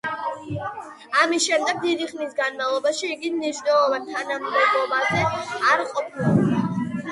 ამის შემდეგ დიდი ხნის განმავლობაში იგი მნიშვნელოვან თანამდებობაზე არ ყოფილა.